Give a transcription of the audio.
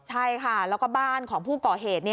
ใช่ค่ะแล้วก็บ้านของผู้ก่อเหตุ